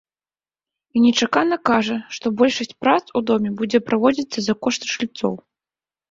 І нечакана кажа, што большасць прац у доме будзе правідзіцца за кошт жыльцоў.